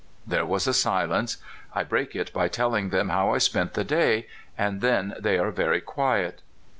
There is a silence. I break it by telling them how I spent the day, and then they are very quiet.